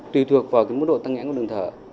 tùy thuộc vào cái mức độ tăng nghê của đường thở